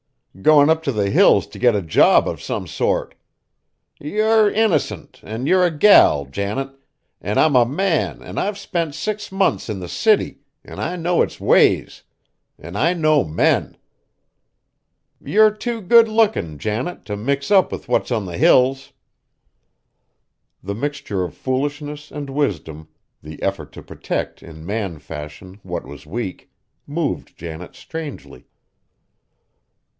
Goin' up t' the Hills t' get a job of some sort! Yer innercint, an' yer a gal, Janet, an' I'm a man an' I've spent six months in the city an' I know its ways, an' I know men! Yer too good lookin', Janet, t' mix up with what's on the Hills." The mixture of foolishness and wisdom, the effort to protect in man fashion what was weak, moved Janet strangely.